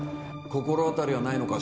心当たりはないのか？